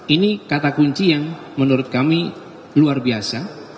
ini kata kunci yang menurut kami luar biasa